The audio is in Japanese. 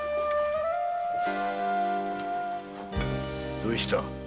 どうした？